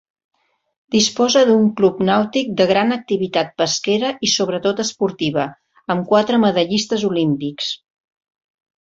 Disposa d'un club nàutic de gran activitat pesquera i sobretot esportiva, amb quatre medallistes olímpics.